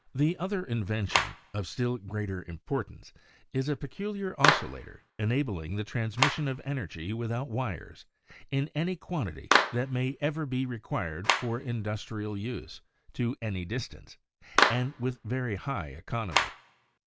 The other invention, of still greater im portance, is a peculiar oscillator enabling the transmission of energy without wires in any quantity that may ever be required for industrial use, to any distance, and with very high economy.